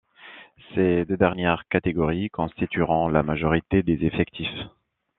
Ces deux dernières catégories constitueront la majorité des effectifs.